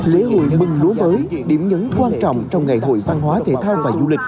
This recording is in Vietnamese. lễ hội mừng lúa mới điểm nhấn quan trọng trong ngày hội văn hóa thể thao và du lịch